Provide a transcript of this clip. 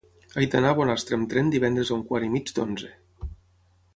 He d'anar a Bonastre amb tren divendres a un quart i mig d'onze.